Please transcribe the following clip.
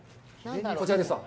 こちらです。